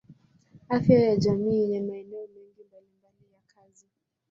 Afya ya jamii yenye maeneo mengi mbalimbali ya kazi.